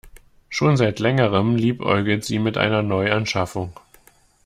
Schon seit längerem liebäugelt sie mit einer Neuanschaffung.